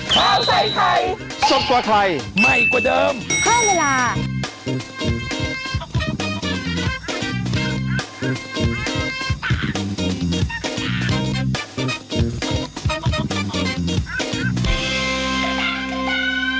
ข้าวใส่ไทยสดกว่าไทยใหม่กว่าเดิมเพิ่มเวลา